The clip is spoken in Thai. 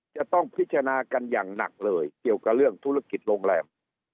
จะต้องพิจารณากันอย่างหนักเลยเกี่ยวกับเรื่องธุรกิจโรงแรม